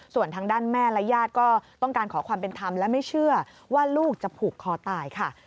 ส่วนทางด้านแม่และญาติก็ต้องการขอความเป็นธรรมและไม่เชื่อว่าลูกจะผูกคอตายค่ะ